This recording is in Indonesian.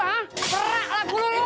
seraklah dulu lu